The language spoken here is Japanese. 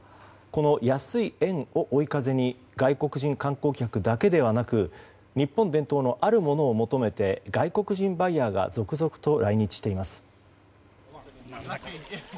この安い円を追い風に外国人観光客だけではなく日本伝統の、あるものを求めて外国人バイヤーが続々と来日しています。